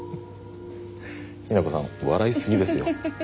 雛子さん笑いすぎですよ。